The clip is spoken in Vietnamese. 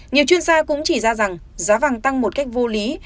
nhiều chuyên gia cũng chỉ ra rằng giá vàng tăng một cách vô lý